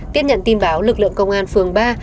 tiết nhận tin báo lực lượng công an phương ba